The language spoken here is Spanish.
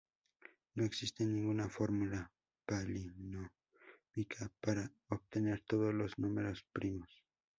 No existe ninguna fórmula polinómica para obtener todos los números primos.